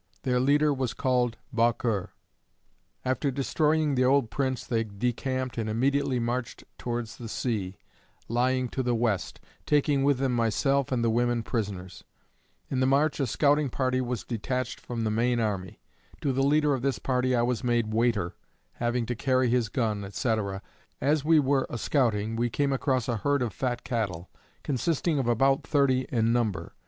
Their leader was called Baukurre. After destroying the old prince, they decamped and immediately marched towards the sea, lying to the west, taking with them myself and the women prisoners. In the march a scouting party was detached from the main army. To the leader of this party I was made waiter, having to carry his gun, &c. As we were a scouting we came across a herd of fat cattle, consisting of about thirty in number.